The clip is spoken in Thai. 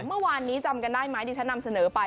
เมื่อวานนี้จำกันได้ไหมที่ฉันนำเสนอไป